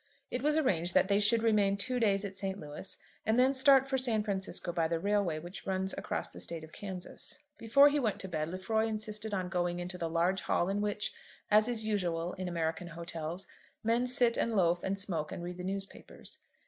It was arranged that they should remain two days at St. Louis, and then start for San Francisco by the railway which runs across the State of Kansas. Before he went to bed Lefroy insisted on going into the large hall in which, as is usual in American hotels, men sit and loafe and smoke and read the newspapers.